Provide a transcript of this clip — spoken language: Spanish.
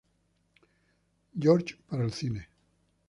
George para el cine.